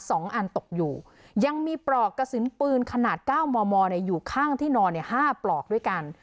สองอันตกอยู่ยังมีปลอกกระสุนปืนขนาดเก้ามอมอเนี่ยอยู่ข้างที่นอนเนี่ยห้าปลอกด้วยกัน